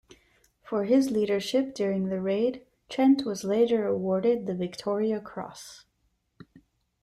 For his leadership during the raid, Trent was later awarded the Victoria Cross.